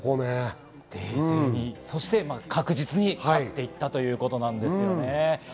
冷静に、そして確実に取って行ったということなんですね。